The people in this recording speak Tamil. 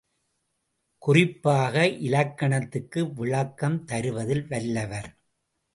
குறிப்பாக, இலக்கணத்துக்கு விளக்கம் தருவதில் வல்லவர்.